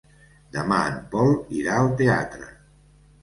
Demà en Pol irà al teatre.